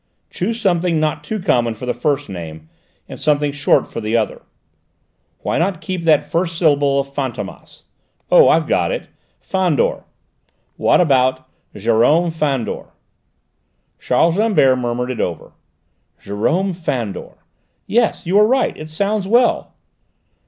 "Choose something not too common for the first name; and something short for the other. Why not keep the first syllable of Fantômas? Oh, I've got it Fandor; what about Jérôme Fandor?" Charles Rambert murmured it over. "Jérôme Fandor! Yes, you are right, it sounds well."